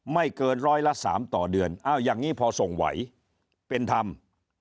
ไม่เกินร้อยละ๓ต่อเดือนอ้าวอย่างนี้พอส่งไหวเป็นธรรม